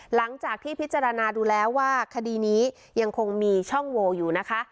หลังจากที่พิจารณาดูแล้วว่าคดีนี้ยังคงมีช่องโวอยู่นะคะ